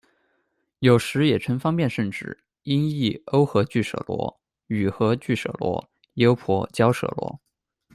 有时也称方便胜智，音译沤和俱舍罗、伛和俱舍罗、忧婆娇舍罗。